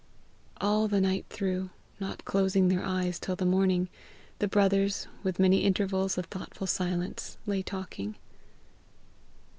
All the night through, not closing their eyes till the morning, the brothers, with many intervals of thoughtful silence, lay talking.